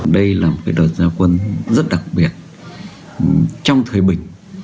đây là một đợt gia quân rất đặc biệt trong thời bình